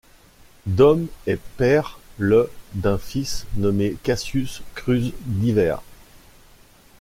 Dom est père le d'un fils nommé Cassius Cruz Dywer.